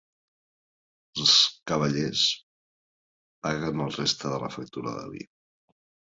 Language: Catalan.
Els cavallers paguen el reste de la factura de vi.